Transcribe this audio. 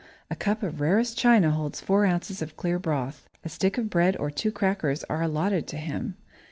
A cup of rarest china holds four ounces of clear broth. A stick of bread or two crackers are allotted to him.